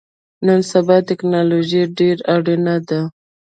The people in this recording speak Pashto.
نن سبا ټکنالوژی ډیره اړینه ده